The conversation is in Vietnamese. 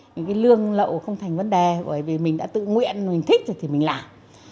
những cái lương lậu không thành vấn đề bởi vì mình đã tự nguyện mình thích rồi thì mình làm